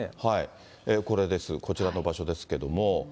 これです、こちらの場所ですけれども。